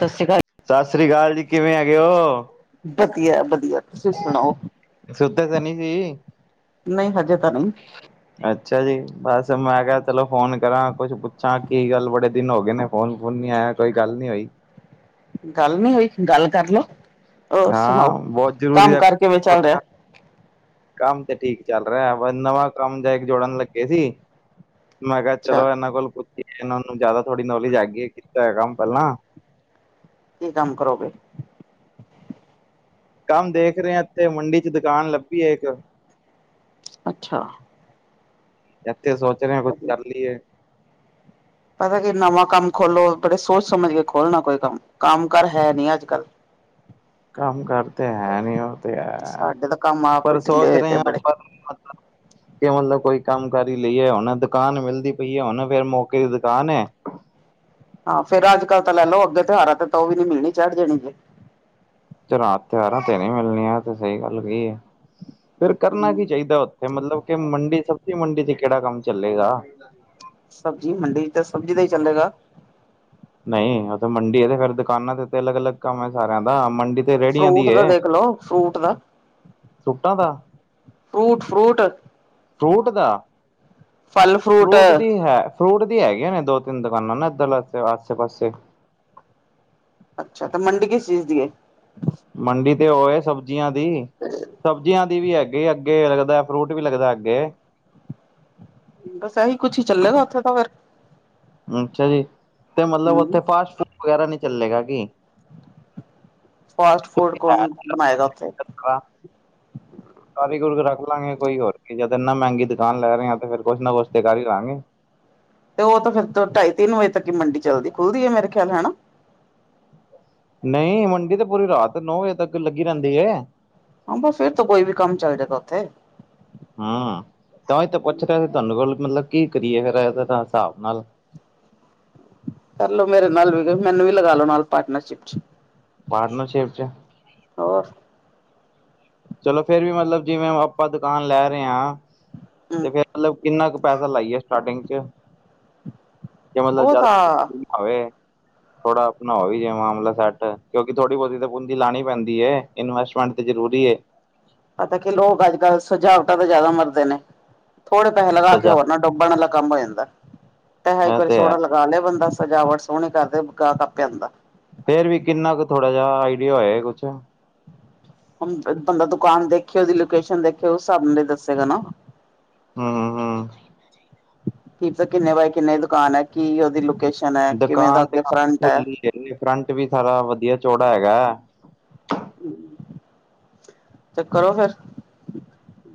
ਸਤਿ ਸ਼੍ਰੀ ਆਕਾਲ। ਸਤਿ ਸ਼੍ਰੀ ਅਕਾਲ ਜੀ, ਕਿਵੇਂ ਹੈਗੇ ਓ? ਵਧੀਆ-ਵਧੀਆ, ਤੁਸੀਂ ਸੁਣਾਓ? ਸੁੱਤੇ ਤਾਂ ਨੀ ਸੀ ਨਈਂ, ਹਜੇ ਤਾਂ ਨਈਂ। [inaudible] ਅੱਛਾ ਜੀ, ਬਸ ਮੈਂ ਕਿਹਾ ਚਲੋ ਫੋਨ ਕਰਾਂ ਕੁੱਛ ਪੁੱਛਾ, ਕੀ ਗੱਲ ਬੜੇ ਦਿਨ ਹੋ ਗਏ ਨੇ ਫੋਨ-ਫੂਨ ਨੀ ਆਇਆ। ਕੋਈ ਗੱਲ ਨੀ ਹੋਈ। ਗੱਲ ਨੀ ਹੋਈ, ਗੱਲ ਕਰਲੋ, ਹੋਰ ਸੁਣਾਓ, ਹਾਂ ਬਹੁਤ ਜ਼ਰੂਰੀ ਹੈ ਕੰਮ-ਕਾਰ ਕਿਵੇਂ ਚੱਲ ਰਿਹਾ? ਕੰਮ ਤੇ ਠੀਕ ਚੱਲ ਰਿਹਾ, ਬਸ ਨਵਾਂ ਕੰਮ ਜਾ ਇੱਕ ਜੋੜਨ ਲੱਗੇ ਸੀ। ਮੈਂ ਕਿਹਾ ਅੱਛਾ ਚਲੋ ਇਹਨਾਂ ਕੋਲ, ਪੁੱਛ ਲੈਨਾ ਇਹਨਾਂ ਨੂੰ ਜਿਆਦਾ ਥੋੜੀ ਨੌਲੇਜ ਹੈਗੀ ਏ, ਕੀਤਾ ਏ ਕੰਮ ਪਹਿਲਾਂ। ਕੀ ਕੰਮ ਕਰੋਗੇ? ਕੰਮ ਦੇਖ ਰਹੇ ਇਥੇ ਮੰਡੀ ਚ' ਦੁਕਾਨ ਲੱਭੀ ਹੈ ਇੱਕ। ਅੱਛਾ। ਇਥੇ ਸੋਚ ਰਹੇ ਕੁੱਛ ਵਧੀਆ ਕਰ ਲਈਏ। ਪਤਾ ਕਿ ਨਵਾਂ ਕੰਮ ਖੋਲੋ, ਬੜੇ ਸੋਚ ਸਮਝ ਕੇ ਖੋਲਣਾ, ਕੋਈ ਕੰਮ ਕੰਮ- ਕਾਰ ਹੈ ਨੀ ਅੱਜ ਕੱਲ੍ਹ। ਕੰਮ ਕਰਤੇ ਹੈ ਨਹੀਂ ਹੋ ਤੇ, ਸਾਡੇ ਤਾਂ ਕੰਮ ਆਪ ਹੀ ਪਰ ਢਿੱਲੇ ਸੋਚ ਹੋਏ ਪਏ ਰਹੇ ਹ ਬੜੇ ਪਰ ਮਤਲਬ। [inaudible] ਮਤਲਬ ਕੋਈ ਕੰਮ ਕਰੀ ਲਈਏ ਹੁਣ ਦੁਕਾਨ ਮਿਲਦੀ ਪਈ ਹੈ ਹੁਣ ਫੇਰ ਮੌਕੇ ਦੀ ਦੁਕਾਨ। ਹਾਂ ਫੇਰ ਅੱਜ ਕੱਲ ਤਾਂ ਲੈ ਲਓ, ਅੱਗੇ ਤਿਉਹਾਰਾਂ ਤੇ ਤਾਂ ਉਹ ਵੀ ਨੀ ਮਿਲਣੀ ਚੜ੍ਹ ਜਾਣੀ ਜੇ। ਚਰਾ, ਤਿਆਰਾਂ ਤੇ ਨਹੀ ਮਿਲਣੀਆਂ ਤੇ ਸਹੀ ਗੱਲ ਕਹੀ ਐ, ਫ਼ੇਰ ਕਰਨਾ ਕੀ ਹਮ ਚਾਹੀਦਾ ਓ। ਤੇ ਮਤਲਬ ਕਿ ਮੰਡੀ, ਸਬਜ਼ੀ ਮੰਡੀ ਚ' ਕਿਹੜਾ ਕੰਮ ਚੱਲੇਗਾ? [inaudible] ਸਬਜ਼ੀ ਮੰਡੀ ਚ', ਸਬਜ਼ੀ ਦਾ ਈ ਚੱਲੇਗਾ। ਨਈਂ, ਉਥੇ ਮੰਡੀ ਐ ਤੇ ਫੇਰ ਦੁਕਾਨਾਂ ਤੇ-ਤੇ ਅਲੱਗ-ਅਲੱਗ ਕੰਮ ਐ ਸਾਰਿਆ ਦਾ। ਮੰਡੀ ਤੇ ਰੇਹੜੀਆਂ ਦੀ ਫਰੂਟ ਏ ਦਾ ਦੇਖ ਲੋ, ਫਰੂਟ ਦਾ, ਸੂਟਾਂ ਦਾ ਫਰੂਟ-ਫਰੂਟ। ਫਰੂਟ ਦਾ, ਫਰੂਟ ਦੀ ਹੈ। ਫਰੂਟ ਦੀ ਹੈਗੀਆਂ ਨੇ ਦੋ-ਤਿੰਨ ਦੁਕਾਨਾਂ ਨਾ, ਇੱਧਰ ਆਸੇ-ਪਾਸੇ। ਅੱਛਾ। ਤੇ ਮੰਡੀ ਕਿਸ ਚੀਜ਼ ਦੀ ਏ? ਮੰਡੀ ਤੇ ਹੋਏ ਸਬਜ਼ੀਆਂ ਦੀ। [inaudible] ਸਬਜ਼ੀਆਂ ਦੀ ਵੀ ਹੈਗੇ, ਅੱਗੇ ਲੱਗਦਾ ਫਰੂਟ ਵੀ ਲੱਗਦਾ ਅੱਗੇ। ਬਸ ਇਹੀ ਕੁੱਛ ਹੀ ਚੱਲੇਗਾ ਉੱਥੇ ਤਾਂ ਫੇਰ। ਅੱਛਾ ਜੀ। ਤੇ ਮਤਲਬ ਹੂੰ। ਉੱਥੇ ਫਾਸਟ ਫੂਡ ਵਗੈਰਾ ਨਹੀਂੀ ਚੱਲੇਗਾ ਕੀ? ਫਾਸਟ ਫੂਡ ਕੌਣ ਬਣਾਏਗਾ ਉੱਥੇ? ਖਾ ਕਰਾਰੀ ਗੁਰਕ ਰੱਖ ਲਾਂਗੇ, ਕੋਈ ਹੋਰ ਕੀ ਜਦ ਇੰਨਾ ਮਹਿੰਗੀ ਦੁਕਾਨ ਲੈ ਰਹੇ ਆ ਤੇ ਫੇਰ ਕੁਛ ਨਾ ਕੁਛ ਤੇ ਕਰ ਹੀ ਲਵਾਂਗੇ। ਤੇ ਉਹ ਤਾਂ ਫਿਰ ਤੋਂ ਢਾਈ -ਤਿੰਨ ਵਜੇ ਤੱਕ ਹੀ ਮੰਡੀ ਚੱਲਦੀ ਖੁੱਲਦੀ ਹੈ ਮੇਰੇ ਖਿਆਲ ਹਨਾ। ਨਹੀਂ, ਮੰਡੀ ਤੇ ਪੂਰੀ ਰਾਤ ਨੌ ਵਜੇ ਤੱਕ ਲੱਗੀ ਰਹਿੰਦੀ ਹੈ। ਹਾਂ, ਫੇਰ ਤੋਂ ਕੋਈ ਵੀ ਕੰਮ ਚੱਲ ਜਾਏਗਾ ਉੱਥੇ। ਹਾਂ। ਤਾਂ ਹੀ ਤਾਂ ਪੁੱਛ ਰਿਹਾ ਸੀ ਤੁਹਾਨੂੰ ਕੋਲ ਮਤਲਬ ਕੀ ਕਰੀਏ ਫੇਰ ਇਹ ਹਿਸਾਬ ਨਾਲ। ਕਰਲੋ, ਮੇਰੇ ਨਾਲ ਵੀ ਮੈਨੂੰ ਵੀ ਲਗਾ ਲੋ ਨਾਲ ਪਾਰਟਨਰਸ਼ਿਪ ਚ'। ਪਾਰਨ ਸ਼ੇਪ ਚ'। ਹੋਰ। ਚਲੋ ਫੇਰ ਵੀ ਮਤਲਬ ਜਿਵੇਂ ਆਪਾਂ ਦੁਕਾਨ ਲੈ ਰਹੇ ਹਾਂ, ਹੂੰ ਤੇ ਫੇਰ ਮਤਲਬ ਕਿੰਨਾ ਕੁ ਪੈਸਾ ਲਾਈਏ ਸਟਾਰਟਿੰਗ ਚ'। ਕੀ ਮਤਲਬ ਉਹ ਘਾਰ ਤਾਂ ਛੇਤੀ ਆਵੇ। ਥੋੜਾ ਆਪਣਾ ਵੀ ਜੇ ਮਾਮਲਾ ਸੈੱਟ, ਕਿਉਂਕਿ ਥੋੜੀ ਬਹੁਤੀ ਤੇ ਪੂੰਜੀ ਲਾਉਣੀ ਪੈਂਦੀ ਹੈ। ਇਨਵੈਸਟਮੈਂਟ ਤੇ ਜ਼ਰੂਰੀ ਹੈ। ਪਤਾ ਕਿ ਲੋਕ ਅੱਜ ਕੱਲ੍ਹ ਸੁਜਾਵਟਾਂ ਤਾਂ ਜ਼ਿਆਦਾ ਮਰਦੇ ਨੇ, ਥੋੜੇ ਪੈਸੇ ਲਗਾ ਕੇ ਇਹ ਹੋਰ ਡੁੱਬਣ ਵਾਲਾ ਕੰਮ ਹੋ ਜਾਂਦਾ ਤੇ ਹੈ, ਇੱਕ ਵਾਰੀ ਸੋਹਣਾ ਲਗਾ ਲਿਆ ਬੰਦਾ। ਸਜਾਵਟ ਸੋਹਣੀ ਕਰਦੇ ਗਾਹਕ ਆਪੇ ਆਂਦਾ। ਫੇਰ ਵੀ ਕਿੰਨਾ ਕੁ ਥੋੜਾ ਜਿਹਾ ਆਈਡੀਆ ਹੋਇਆ ਕੁਛ? ਹ ਬੰਦਾ ਦੁਕਾਨ ਦੇਖਿਓ, ਉਹਦੀ ਲੋਕੇਸ਼ਨ ਦੇਖਿਓ, ਉਸ ਹਿਸਾਬ ਨਾਲ ਦੱਸੇਗਾ ਨਾ। ਹੂ- ਹੂ- ਹੂ। ਕੀ ਕਿੰਨੇ ਬਾਏ ਕਿੰਨੇ ਦੁਕਾਨ ਹੈ, ਕੀ ਉਹਦੀ ਲੋਕੇਸ਼ਨ ਹੈ, ਕਿਵੇਂਦਾ ਦੁਕਾਨ ਤੇ ਅੱਗੇ ਫਰੰਟ ਹੈ। ਖੁੱਲੀ ਫਰੰਟ ਵੀ ਸਾਰਾ ਵਧੀਆ ਚੌੜਾ ਹੈਗਾ। ਹੂ। ਤੇ ਕਰੋ ਫੇਰ,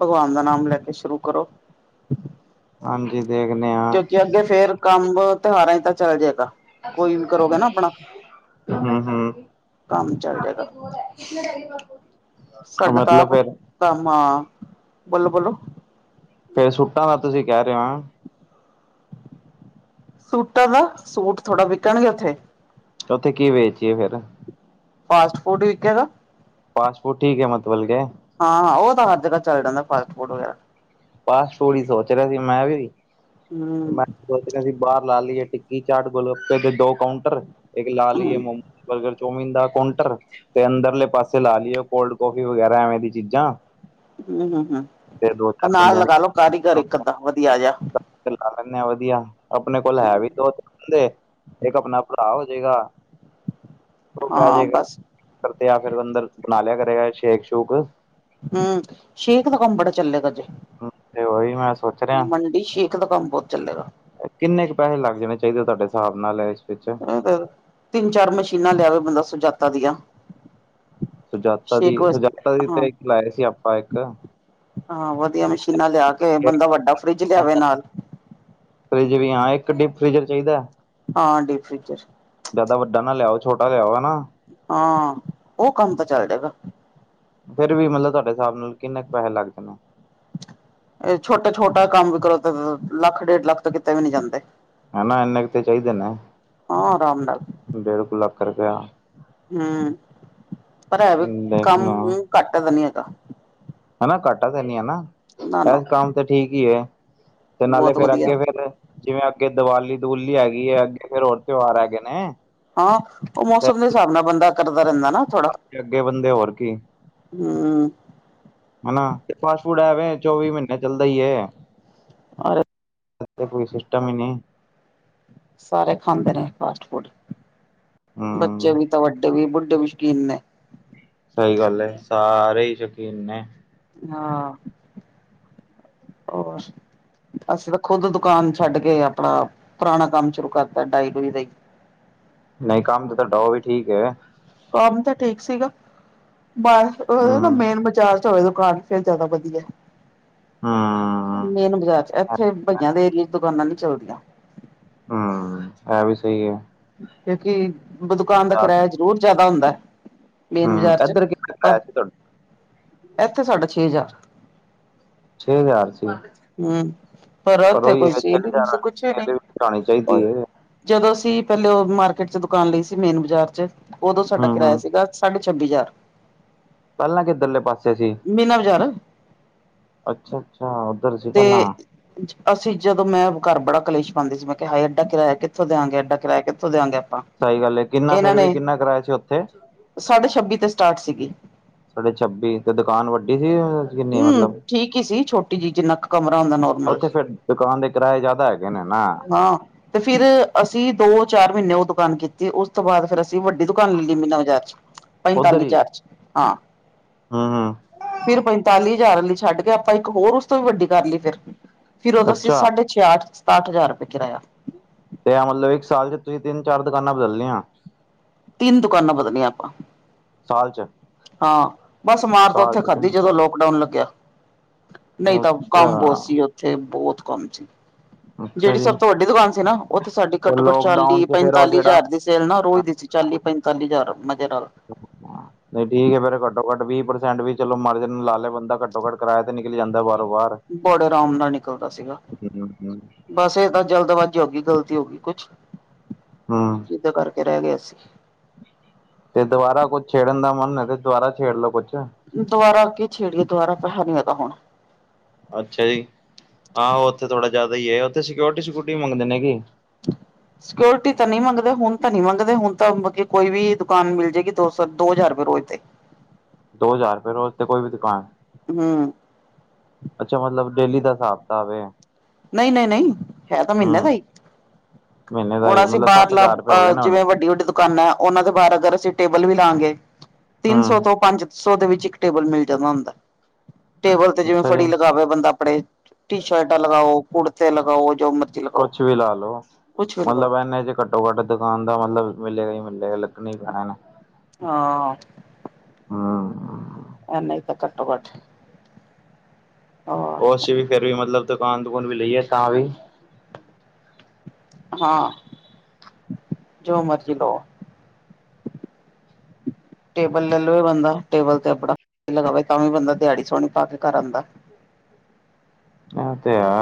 ਭਗਵਾਨ ਦਾ ਨਾਮ ਲੈ ਕੇ ਸ਼ੁਰੂ ਕਰੋ। ਹਾਂਜੀ। ਦੇਖਦੇ ਹਾਂ। ਕਿਉਂਕਿ ਅੱਗੇ ਫੇਰ ਕੰਮ ਤਿਉਹਾਰਾਂ 'ਚ ਤਾਂ ਚੱਲ ਜਾਏਗਾ, ਕੋਈ ਵੀ ਕਰੋਗੇ ਨਾ ਆਪਣਾ। ਹੂ- ਹੂ। ਕੰਮ ਚੱਲ ਜਾਏਗਾ [unintelligible] ਸਾਡਾ ਤਾਂ ਮਤਲਬ ਆਪ ਫਿਰ ਕੰਮ ਆਂ। ਬੋਲੋ-ਬੋਲੋ। ਫੇਰ ਸੁੱਟਾਂ ਦਾ ਤੁਸੀਂ ਕਹਿ ਰਹੇ ਹੋ? ਸੂਟਾਂ ਦਾ, ਸੂਟ ਥੋੜ੍ਹਾ ਵਿਕਣਗੇ ਉੱਥੇ? ਉੱਥੇ ਕੀ ਵੇਚੀਏ ਫੇਰ? ਫਾਸਟ ਫੂਡ ਵਿਕੇ ਗਾ। ਫਾਸਟ ਫੂਟ ਠੀਕ ਹੈ ਮਤਲਬ ਕੇ। ਹਾਂ- ਹਾਂ ਉਹ ਤਾਂ ਹਰ ਜਗ੍ਹਾ ਚੱਲ ਜਾਂਦਾ ਫਾਸਟ ਫੂਡ ਵਗੈਰਾ। ਬਸ ਫਾਸਟ ਫੂਡ ਸੋਚ ਰਿਹਾ ਸੀ ਮੈਂ ਵੀ। ਹੂੰ ਮੈਂ ਸੋਚ ਰਿਹਾ ਸੀ ਬਾਹਰ ਲਾ ਲਈਏ ਟਿੱਕੀ, ਚਾਟ ਗੁਲ ਗਪਪੇ ਦੇ ਦੋ ਕਾਊਂਟਰ, ਇੱਕ ਲਾ ਹੂੰ ਲਈਏ ਮੋਮੋ। ਬਰਗਰ, ਚੌਮੀਨ ਦਾ ਕਂਟਰ। ਤੇ ਅੰਦਰਲੇ ਪਾਸੇ ਲਾ ਲਓ, ਕੋਲਡ ਕੌਫੀ ਵਗੈਰਾ ਐਵੇਂ ਦੀ ਚੀਜ਼ਾਂ। ਹੂੰ ਹੂੰ ਹੂੰ, ਤੇ ਦੋ ਚਾਰ ਨਾਲ ਬੰਦਿਆਂ ਦੀ ਲਗਾਾਲੋ ਕਾਰੀਗਰ ਇੱਕ ਅੱਧਾ ਵਧੀਆ ਜਿਹਾ। [unintelligible] ਲੈਂਦੇ ਆ ਵਧੀਆ ਆਪਣੇ ਕੋਲ ਹੈ ਵੀ ਦੋ ਤਿੰਨ ਬੰਦੇ। ਇੱਕ ਆਪਣਾ ਭਰਾ ਹੋਜੇਗਾ। [unintelligible] ਹਾਂ ਬਸ ਅੰਦਰ ਆ ਫਿਰ ਅੰਦਰ ਬਣਾ ਲਿਆ ਕਰੇਗਾ ਸ਼ੇਕ ਸ਼ੂਕ। ਹੂੰ, ਸ਼ੇਖ ਦਾ ਕੰਬੜਾ ਚੱਲੇਗਾ ਜੇ। ਤੇ ਉਹੀ ਮੈਂ ਸੋਚ ਰਿਹਾ ਨੀ ਸ਼ੇਖ ਦਾ ਕੰਮ ਬਹੁਤ ਚੱਲੇਗਾ। ਕਿੰਨੇ ਕੁ ਪੈਸੇ ਲੱਗ ਜਾਣੇ ਚਾਹੀਦੇ, ਤੁਹਾਡੇ ਹਿਸਾਬ ਨਾਲ ਇਸ ਵਿੱਚ? ਤਿੰਨ-ਚਾਰ ਮਸ਼ੀਨਾਂ ਲਿਆਵੇ ਬੰਦਾ ਸੁਜਾਤਾ ਦੀਆਂ। ਸੁਜਾਤਾ ਦੀ ਸ਼ੇਕ ਵਾਸਤੇ ਸੁਜਾਤਾ ਦੀ ਹਾਂ ਤੇ ਲਾਏ ਸੀ ਆਪਾਂ ਇੱਕ। ਹਾਂ, ਵਧੀਆ ਮਸ਼ੀਨਾਂ ਲਿਆ ਕੇ ਬੰਦਾ ਵੱਡਾ ਫਰਿਜ ਲਿਆਵੇ ਨਾਲ। ਫਰਿਜ ਵੀ, ਹਾਂ ਇੱਕ ਡੀਪ ਫ੍ਰਿਜਰ ਚਾਹੀਦਾ। ਹਾਂ, ਡੀਪ ਫ੍ਰਿਜਰ। ਜਿਆਦਾ ਵੱਡਾ ਨਾ ਲਿਆਓ, ਛੋਟਾ ਲਿਆਓ, ਹਨਾ? ਹਾਂ, ਉਹ ਕੰਮ ਤਾਂ ਚੱਲ ਜੇਗਾ। ਫੇਰ ਵੀ ਮਤਲਬ, ਤੁਹਾਡੇ ਹਿਸਾਬ ਨਾਲ ਕਿੰਨੇ ਕੁ ਪੈਸੇ ਲੱਗ ਜਾ ਨੇ? ਇਹ ਛੋਟਾ-ਛੋਟਾ ਕੰਮ ਵੀ ਕਰੋ ਤੇ ਲੱਖ ਡੇਢ ਲੱਖ ਤਾ ਕਿਤੇ ਵੀ ਨੀ ਜਾਂਦੇ! ਹਨਾ ਇੰਨੇ ਕ ਤੇ ਚਾਹੀਦੇ ਨੇ ਹਾਂ ਆਰਾਮ ਨਾਲ ਡੇਢ ਕੁ ਲੱਖ ਰੁਪਇਆ। ਹੂੰ, ਪਰ ਹੈ ਵੀ ਕੰਮ ਦੇਖਣਾ ਘੱਟ ਦਾ ਨੀ ਹੈਗਾ। ਹਨਾ ਘਾਟਾ ਤਾਂ ਨੀ ਹੈ ਨਾ ਨਾ ਇਹ ਕੰਮ ਤਾਂ ਠੀਕ ਹੀ ਹੈ। ਤੇ ਨਾਲੇ ਬਹੁਤ ਫੇਰ ਵਧੀਆ ਅੱਗੇ ਫੇਰ ਜਿਵੇਂ ਅੱਗੇ ਦੀਵਾਲੀ ਦਵੂਲੀ ਹੈਗੀ ਹੈ ਅੱਗੇ ਫੇਰ ਹੋਰ ਤਿਉਹਾਰ ਹੈਗੇ ਨੇ। ਹਾਂ, ਉਹ ਮੌਸਮ ਦੇ ਹਿਸਾਬ ਨਾਲ ਬੰਦਾ ਕਰਦਾ ਰਹਿੰਦਾ ਨਾ। ਹਾਂਜੀ ਅੱਗੇ ਬੰਦੇ ਹੋਰ ਕੀ ਹੂੰ। ਹਨਾ ਤੇ ਫਾਸਟ ਫੂਡ ਐਵੇਂ ਚੌਵੀ ਮਹੀਨੇ ਚੱਲਦਾ ਈ ਹੈ। ਔਰ ਹਲੇ ਤੇ ਕੋਈ ਸਿਸਟਮ ਹੀ ਨੀ। ਸਾਰੇ ਖਾਂਦੇ ਨੇ ਫਾਸਟ ਫੂਡ ਬੱਚੇ ਹਮ ਵੀ ਤਾਂ ਵੱਡੇ ਵੀ, ਬੁੱਢੇ ਵੀ ਸ਼ੁਕੀਨ ਨੇ। ਸਹੀ ਗੱਲ ਏ, ਸਾਰੇ ਹੀ ਸ਼ੌਕੀਨ ਨੇ। ਹਾਂ, ਹੋਰ। ਅਸੀਂ ਤਾਂ ਖੁੱਦ ਦੁਕਾਨ ਛੱਡ ਕੇ ਆਪਣਾ ਪੁਰਾਣਾ ਕੰਮ ਸ਼ੁਰੂ ਕਰਤਾ ਡਾਈ-ਡੂਈ ਦਾ ਹੀ। ਨਹੀਂ, ਕੰਮ ਤਾਂ ਤੁਹਾਡਾ ਓ ਵੀ ਠੀਕ ਐ। ਕੰਮ ਤਾਂ ਠੀਕ ਸੀਗਾ ਬ ਹੂੰ, ਉਹ ਨਾ ਮੇਨ ਬਾਜ਼ਾਰ ਚ ਹੋਵੇ ਦੁਕਾਨ। ਫਿਰ ਜਿਆਦਾ ਵਧੀਆ ਹੂੰ, ਮੇਨ ਬਾਜ਼ਾਰ ਚ ਇੱਥੇ ਬਹੀਆਂ ਦੇ ਏਰੀਏ ਦੁਕਾਨਾਂ ਨੀ ਚੱਲਦੀਆਂ। ਹੂੰ, ਇਹ ਵੀ ਸਹੀ ਹੈ। ਕਿਉਂਕਿ ਦੁਕਾਨ ਦਾ ਬਾਜ਼ਾਰ ਕਿਰਾਇਆ ਜ਼ਰੂਰ ਜਿਆਦਾ ਹੁੰਦਾ। ਮੇਨ ਹੂੰ, ਬਾਜ਼ਾਰ ਚ ਇੱਧਰ ਕਿੰਨੇ ਪਰ ਪਾਇਆ ਸੀ ਤੁਹਾਡੇ ਇੱਥੇ ਸਾਡਾ ਛੇ ਹਜ਼ਾਰ। ਛੇ ਹਜ਼ਾਰ ਸੀ। ਹੂੰ, ਪਰ ਉਥੇ ਉਹੀ ਕੋਈ ਹੈ ਛੇ ਚੀਜ਼ ਨਹੀਂ ਹਜ਼ਾਰ ਸੀ। ਕੁਛ ਸੈਲਰੀ ਵੀ ਘਟਾਣੀ ਨਹੀ ਚਾਹੀਦੀ ਹੈ। ਜਦੋਂ ਅਸੀਂ ਪਹਿਲੇ ਉਹ ਮਾਰਕੀਟ ਚ ਦੁਕਾਨ ਲਈ ਸੀ। ਮੇਨ ਬਾਜ਼ਾਰ ਚ, ਉਦੋਂ ਸਾਡਾ ਹੂੰ, ਕਿਰਾਇਆ ਹੂੰ ਸੀਗਾ। ਸਾਢੇ ਛੱਬੀ ਹਜ਼ਾਰ ਪਹਿਲਾਂ ਕਿੱਧਰਲੇ ਪਾਸੇ ਸੀ। ਮੀਨਾ ਬਾਜ਼ਾਰ ਅੱਛਾ-ਅੱਛਾ ਉੱਧਰ ਸੀ ਤੇ ਪਹਿਲਾਂ ਅਸੀਂ ਜਦੋਂ ਮੈਂ ਘਰ ਬੜਾ ਕਲੇਸ਼ ਪਾਉਂਦੇ ਸੀ ਮੈਂ ਹਾਏ ਏਡਾ ਕਿਰਾਇਆ ਕਿੱਥੋਂ ਦਿਆਂਗੇ ਏਡਾ ਕਿਰਾਇਆ ਕਿੱਥੋਂ ਦਿਆਗੇ ਆਪਾਂ। ਸਹੀ ਗੱਲ ਹੈ ਕਿੰਨਾ ਇਹਨਾਂ ਫੇਰ ਵੀ ਨੇ ਕਿੰਨਾ ਕਿਰਾਇਆ ਸੀ ਉੱਥੇ? ਸਾਢੇ ਛੱਬੀ ਤੇ ਸਟਾਰਟ ਸੀਗੀ। ਸਾਡੇ ਛੱਬੀ ਤੇ ਦੁਕਾਨ ਵੱਡੀ ਸੀ? ਕਿੰਨੀ ਹੂੰ ਮਤਲਬ? ਠੀਕ ਹੀ ਸੀ ਛੋਟੀ ਜਿਹੀ ਜਿੰਨਾ ਕੁ ਕਮਰਾ ਹੁੰਦਾ ਨੋਰਮਲ। ਉੱਥੇ ਫੇਰ ਦੁਕਾਨ ਦੇ ਕਿਰਾਏ ਜ਼ਿਆਦਾ ਹੈਗੇ ਨੇ ਨਾ? ਹਾਂ ਤੇ ਫਿਰ ਅਸੀਂ ਦੋ-ਚਾਰ ਮਹੀਨੇ ਉਹ ਦੁਕਾਨ ਕੀਤੀ, ਉਸ ਤੋਂ ਬਾਅਦ ਫਿਰ ਵੱਡੀ ਦੁਕਾਨ ਲੈ ਲਈ ਮੀਨਾ ਬਜ਼ਾਰ ਚ, ਪਤਾਲੀ ਹਜ਼ਾਰ ਚ, ਹਾਂ। ਹੂੰ-ਹੂੰ ਫਿਰ ਪੰਤਾਲੀ ਹਜ਼ਾਰ ਆਲੀ ਛੱਡ ਕੇ ਆਪਾਂ ਇੱਕ ਹੋਰ ਓਸ ਤੋਂ ਵੀ ਵੱਡੀ ਕਰ ਲੀ ਫਿਰ ਫਿਰ ਉਦੋ ਅਸੀ ਅੱਛਾ ਸਾਡੇ ਛਿਆਹਟ-ਸਤਾਹਟ ਹਜ਼ਾਰ ਰੁਪਏ ਕਿਰਾਇਆ! ਤੇ ਆ ਮਤਲਬ ਇੱਕ ਸਾਲ ਚ ਤੁਸੀਂ ਤਿੰਨ ਚਾਰ ਦੁਕਾਨਾਂ ਬਦਲੀਆਂ ਤਿੰਨ ਦੁਕਾਨਾ ਬਦਲੀਆਂ ਆਪਾਂ। ਸਾਲ ਚ ਹਾਂ, ਬੱਸ ਮਾਰ ਤਾਂ ਸਾਲ ਉੱਥੇ ਚ ਤਿੰਨ ਖਾਧੀ ਜਦੋਂ ਲੋਕਡਾਊਨ ਲੱਗਿਆ। ਨਈ ਤਾਂ ਅੱਛਾ, ਕੰਮ ਬਹੁਤ ਸੀ। ਉੱਥੇ ਬਹੁਤ ਕੰਮ ਸੀ। ਅੱਛਾ ਜਿਹੜੀ ਜੀ, ਸਭ ਤੋਂ ਵੱਡੀ ਦੁਕਾਨ ਸੀ ਨਾ ਓ ਤਾ ਸਾਡੀ ਉਹ ਘੱਟੋ ਘੱਟ ਚਾਲੀ ਲੋਕਡਾਊਨ ਚ ਫੇਰ ਉਹ ਪੰਤਾਲੀ ਜਿਹੜਾ ਹਜ਼ਾਰ ਦੀ ਸੇਲ ਨਾ ਰੋਜ਼ ਦੀ ਸੀ ਚਾਲੀ ਪੈਤਾਲੀ ਹਜ਼ਾਰ ਮਜ਼ੇ ਨਾਲ ਨਹੀਂ ਠੀਕ ਐ, ਫਿਰ ਘੱਟੋ ਘੱਟ ਵੀਹ ਪ੍ਰਸੈਂਟ ਵੀ ਚਲੋ ਮਾਲਕ ਨੇ ਲਾ ਲਿਆ ਬੰਦਾ ਘੱਟੋ ਘੱਟ ਕਰਾਇਆ ਤੇ ਨਿਕਲ ਜਾਂਦਾ ਬਾਰੋ ਬਾਰ ਬੜੇ ਰਾਮ ਨਾਲ ਨਿਕਲਦਾ ਸੀਗਾ। ਹੂੰ, ਬੱਸ ਏ ਤਾਂ ਜਲਦਬਾਜ਼ੀ ਹੋ ਗੀ ਗਲਤੀ ਹੋ ਗੀ ਕੁਛ ਹੂੰ ਜਿਦੇ ਕਰਕੇ ਰਹਿ ਗਏ ਅਸੀਂ ਤੇ ਦੁਬਾਰਾ ਕੁਛ ਛੇੜਨ ਦਾ ਮਨ ਐ ਤੇ ਦੁਬਾਰਾ ਛੇੜ ਲੋੋ ਕੁੱਛ ਦੁਬਾਰਾ ਕੀ ਛੇੜੀਏ ਦੁਬਾਰਾ ਪੈਸਾ ਨੀ ਹੈਗਾ ਹੁਣ ਅੱਛਾ ਜੀ, ਆਹੋ ਓਥੇ ਥੋੜਾ ਜ਼ਿਆਦਾ ਈ ਐ ਓਥੇ ਸਿਕਓਰਟੀ ਸਿਕਉਰਟੀ ਮੰਗਦੇ ਨੇਗੇ [inaudible] ਸਕਿਓਰਿਟੀ ਤਾਂ ਨੀ ਮੰਗਦੇ ਹੁਣ ਤਾਂ ਨੀ ਮੰਗਦੇ ਹੁਣ ਤਾਂ ਕੋਈ ਵੀ ਦੁਕਾਨ ਮਿਲ ਜੇਗੀ ਦੋ ਸੌ ਦੋ ਹਜ਼ਾਰ ਰੁਪਏ ਰੋਜ਼ ਦੇ ਦੋ ਹਜ਼ਾਰ ਰੁਪਏ ਰੋਜ਼ਦੇ ਕੋਈ ਵੀ ਦੁਕਾਨ ਹੂੰ ਅੱਛਾ ਮਤਲਬ ਡੇਲੀ ਦਾ ਹਿਸਾਬ ਕਿਤਾਬ ਐ ਨਹੀਂ-ਨਹੀਂ-ਨਹੀ ਹੈ ਤਾਂ ਮਹੀਨੇ ਦਾ ਈ ਮਹੀਨੇ ਦਾ ਹੁਣ ਹੀ ਅਸੀਂ ਮਤਲਬ ਸੱਠ ਬਾਹਰਲਾ ਹਜ਼ਾਰ ਰੁਪਏ ਹੋ ਅਹ ਗਏ ਨਾ ਹੁਣ ਜਿਵੇਂ ਵੱਡੀ-ਵੱਡੀੇ ਦੁਕਾਨਾਂ ਐ ਉਹਨਾਂ ਦੇ ਬਾਰ ਅਗਰ ਅਸੀਂ ਟੇਬਲ ਵੀ ਲਾਗੇ ਤਿੰਨ ਹੂੰ, ਸੌ ਤੋਂ ਪੰਜ ਕੁ ਸੌ ਦੇ ਵਿੱਚ ਇੱਕ ਟੇਬਲ ਮਿਲ ਜਾਂਦਾ ਹੁੰਦਾ। ਟੇਬਲ ਤੇ ਜਿਵੇਂ ਅੱਛਾ ਫੜੀ ਜੀ। ਲਗਾਵੇ ਬੰਦਾ ਆਪਣੇ ਟੀ ਸ਼ਰਟਾਂ ਲਗਾਓ, ਕੁੜਤੇ ਲਗਾਓ ਜੋ ਮਰਜੀ ਕੁਛ ਵੀ ਲਾ ਲੋ ਮਤਲਬ ਐਨੇ ਚ ਘੱਟੋ-ਘੱਟ ਦੁਕਾਨ ਦਾ ਮਤਲਬ ਮਿਲੇਗਾ ਈ ਮਿਲੇਗਾ ਲੱਗਣਾ ਈ ਪੈਣਾ ਹਨਾ ਹਾਂ। ਹੂੰ ਐਨਾ ਈ ਤਾਂ ਘੱਟੋ ਘੱਟ ਹੋਰ ਓ ਅਸੀਂ ਵੀ ਫੇਰ ਵੀ ਮਤਲਬ ਦੁਕਾਨ ਦਕੂਨ ਵੀ ਲਈ ਆ ਤਾਂ ਵੀ ਹਾਂ, ਜੋ ਮਰਜ਼ੀ ਲਓ। [unintelligible] ਟੇਬਲ ਲੈ ਲਵੇ ਬੰਦਾ ਟੇਬਲ ਤੇ ਆਪਣਾ ਲਗਾਵੇ ਤਾਂ ਵੀ ਬੰਦਾ ਦਿਹਾੜੀ ਸੋਹਣੀ ਪਾ ਕੇ ਘਰ ਆਂਦਾ। ਏ ਤੇ ਆ।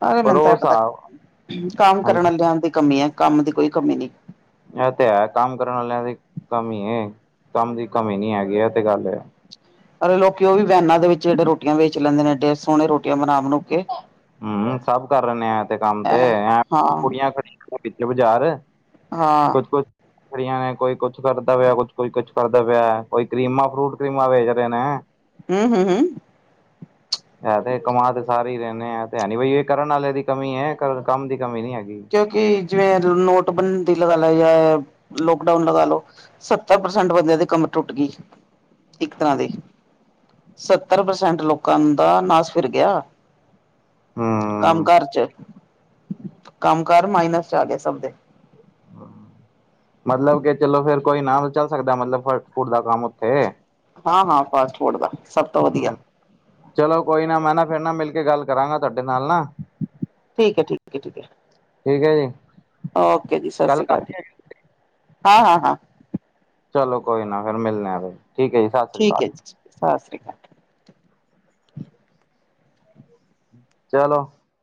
ਸਾਰੇ ਮੈਨੂੰ ਤਾਂ ਐ ਪਤਾ ਕੰਮ ਕਰਨ ਹਾਂਜੀ ਵਾਲਿਆਂ ਦੀ ਕਮੀ ਐ, ਕੰਮ ਦੀ ਕੋਈ ਕਮੀ ਨੀ। ਐ ਤੇ ਹੈ ਕੰਮ ਕਰਨ ਵਾਲਿਆਂ ਦੀ ਕਮੀ ਐ ਕੰਮ ਦੀ ਕਮੀ ਨੀ ਹੈਗੀ ਐ ਤੇ ਗੱਲ ਹੈ। ਲੋਕੀ ਓ ਵੀ ਵੈਨਾਂ ਦੇ ਵਿੱਚ ਜਿਹੜੇ ਰੋਟੀਆਂ ਵੇਚ ਲੈਂਦੇ ਨੇ ਐਡੇ ਸੋਹਣੇ ਰੋਟੀਆ ਬਣਾ ਬਣੂ ਕੇ ਹੂੰ ਸਭ ਕਰ ਰਏ ਨੇ ਆਏ ਤੇ ਕੰਮ ਤੇ ਹੈਂ ਐ ਹਾਂ ਕੁੜੀਆਂ ਕੜੀਆਂ ਕਿਥੇ ਬਾਜ਼ਾਰ ਹਾਂ ਕੁਛ- ਕੁਛ। ਵੱਖਰੀਆਂ ਨੇ ਕੋਈ ਕੁਛ ਕਰਦਾ ਪਿਆ, ਕੁਛ ਕੋਈ ਕੁਛ ਕਰਦਾ ਪਿਆ ਕੋਈ ਕਰੀਮਾਂ ਫਰੂਟ ਕਰੀਮਾਂ ਵੇਚ ਰਹੇ ਨੇ। ਹੂੰ-ਹੂੰ-ਹੂੰ। ਮੈ [inaudible] ਸਾਰੇ ਹੀ ਰਹਿਣੇ ਆ ਤੇ ਐ ਨੀ ਬਈ ਏ ਕਰਨ ਆਲੇ ਦੀ ਕਮੀ ਐ ਕਰਨ ਕੰਮ ਦੀ ਕਮੀ ਨੀ ਹੈਗੀ। ਕਿਉਂਕਿ ਜਿਵੇਂ ਨੋਟਬੰਦੀ ਲਗਾ ਲੈ ਜਾਂ ਲੋਕਡਾਊਨ ਲਗਾ ਲੋ ਸੱਤਰ ਪ੍ਰਸੈਂਟ ਬੰਦਿਆਂ ਦੀ ਕਮਰ ਟੁੱਟ ਗੀ। [unintelligible] ਸੱਤਰ ਪ੍ਰਸੈਂਟ ਲੋਕਾਂ ਦਾ ਨਾਸ ਫਿਰ ਗਿਆ। ਹੂੰ ਕੰਮ-ਕਾਰ ਚ। ਕੰਮ ਕਾਰ ਮਾਈਨਸ 'ਚ ਆ ਗਿਆ ਸਭ ਦੇ ਹਾਂ ਮਤਲਬ ਕਿ ਚਲੋ ਫੇਰ ਕੋਈ ਨਾ ਚੱਲ ਸਕਦਾ ਮਤਲਬ ਫਾਸਟ ਫੂਡ ਦਾ ਕੰਮ ਉੱਥੇ ਹਾਂ -ਹਾਂ ਫਾਸਟ ਫੂਡ ਦਾ, ਸਭ ਤੋਂ ਵਧੀਆ ਚਲੋ ਕੋਈ ਨਾ, ਮੈਂ ਨਾ ਫੇਰ ਨਾ ਮਿਲ ਕੇ ਗੱਲ ਕਰਾਂਗਾ ਤੁਹਾਡੇ ਨਾਲ ਨਾ ਠੀਕ ਹੈ- ਠੀਕ ਹੈ -ਠੀਕ ਹੈ ਠੀਕ ਹੈ ਜੀ ਓਕੇ ਜੀ ਸਤਿ ਕੱਲ ਸ੍ਰੀ ਅਕਾਲ ਜੀ, ਕਰ ਹਾਂ- ਹਾਂ -ਹਾਂ ਚਲੋ ਕੋਈ ਨਾ ਫੇਰ ਮਿਲਣੇ ਆ, ਠੀਕ ਹੈ ਜੀ। ਸਤਿ ਸ੍ਰੀ ਠੀਕ ਹੈ ਅਕਾਲ ਜੀ, ਸਤਿ ਸ੍ਰੀ ਅਕਾਲ। ਚਲੋ।